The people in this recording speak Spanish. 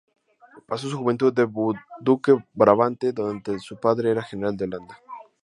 Pasó su juventud en Bolduque, Brabante, donde su padre era general de Holanda.